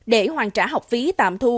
để hoàn trả học phí tạm thu